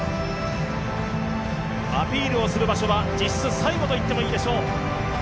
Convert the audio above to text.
アピールをする場所は、実質最後と言ってもいいでしょう。